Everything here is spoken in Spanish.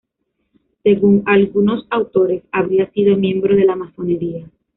Según algunos autores, habría sido miembro de la masonería.